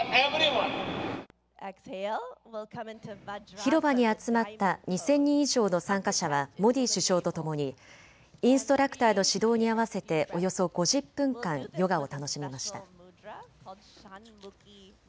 広場に集まった２０００人以上の参加者はモディ首相とともにインストラクターの指導に合わせておよそ５０分間ヨガを楽しみました。